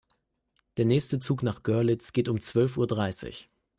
Der nächste Zug nach Görlitz geht um zwölf Uhr dreißig